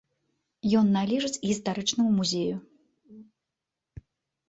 Ён належыць гістарычнаму музею.